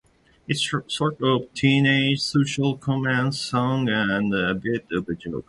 It's sort of a teenage social-comment song and a bit of a joke.